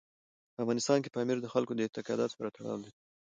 په افغانستان کې پامیر د خلکو له اعتقاداتو سره تړاو لري.